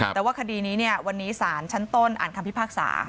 แต่ว่าคดีนี้วันนี้สารชั้นต้นอ่านคำพิพากษา